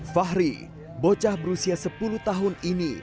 fahri bocah berusia sepuluh tahun ini